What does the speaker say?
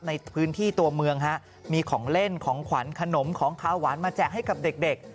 ในพื้นที่ตัวเมืองฮะมีของเล่นของขวัญขนมของขาวหวานมาแจกให้กับเด็ก